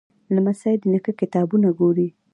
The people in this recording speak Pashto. لمسی د نیکه کتابونه ګوري.